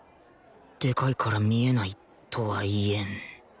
「でかいから見えない」とは言えん